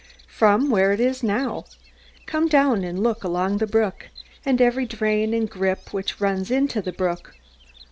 From where it is now. Come down and look along the brook, and every drain and grip which runs into the brook.